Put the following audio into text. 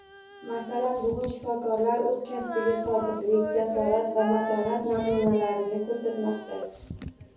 Masalan, bugun shifokorlar oʻz kasbiga sodiqlik, jasorat va matonat namunalarini koʻrsatmoqda.